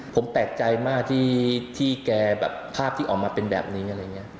ผมแปลกใจมากที่แกแบบภาพที่ออกมาเป็นแบบนี้อะไรอย่างนี้